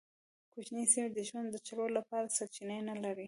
کوچنۍ سیمې د ژوند د چلولو لپاره سرچینې نه لرلې.